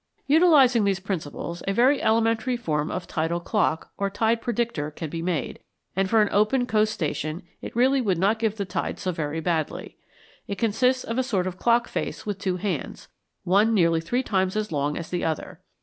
] Utilizing these principles, a very elementary form of tidal clock, or tide predicter, can be made, and for an open coast station it really would not give the tides so very badly. It consists of a sort of clock face with two hands, one nearly three times as long as the other.